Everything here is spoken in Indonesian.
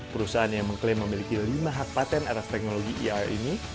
perusahaan yang mengklaim memiliki lima hak patent atas teknologi ir ini